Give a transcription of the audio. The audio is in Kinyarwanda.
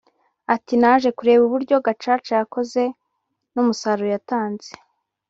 Ati “Naje kureba uburyo Gacaca yakoze n’umusaruro yatanze